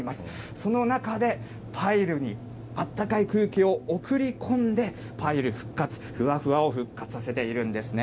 その中で、パイルにあったかい空気を送り込んでパイル復活、ふわふわを復活させているんですね。